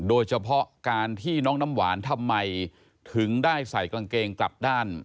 โดยเฉพาะการที่น้องน้ำหวานทำไมถึงได้ใส่กางเกงกลับด้าน